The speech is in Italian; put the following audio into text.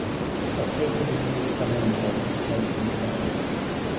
Passò i primi anni di vita a Montréal e Chelsea nel Québec.